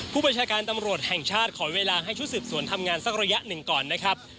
ประชาการตำรวจแห่งชาติขอเวลาให้ชุดสืบสวนทำงานสักระยะหนึ่งก่อนนะครับ